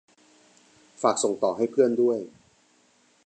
ฝากส่งต่อให้เพื่อนด้วย